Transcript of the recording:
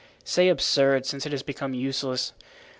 "Say absurd, since it has become useless.